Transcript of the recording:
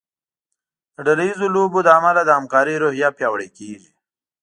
د ډله ییزو لوبو له امله د همکارۍ روحیه پیاوړې کیږي.